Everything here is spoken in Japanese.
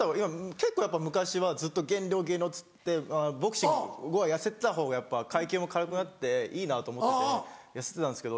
結構やっぱ昔はずっと減量減量っつってボクシング痩せてたほうがやっぱ階級も軽くなっていいなと思ってて痩せてたんですけど。